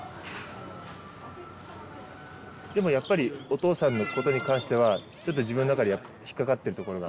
でもやっぱりお父さんのことに関してはちょっと自分の中で引っ掛かってるところが？